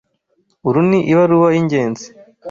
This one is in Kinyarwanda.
Uru ni ibaruwa y'ingenzi.